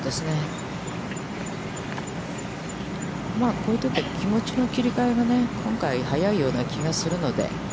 こういうときは気持ちの切り替えが今回早いような気がするので。